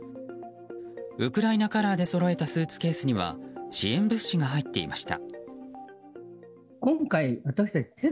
ウクライナカラーでそろえたスーツケースには支援物資が入っていました。